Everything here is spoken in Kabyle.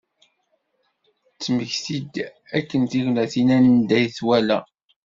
Tettmekti-d akken tignatin anda i t-wala.